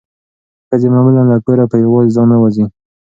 ښځې معمولا له کوره په یوازې ځان نه وځي.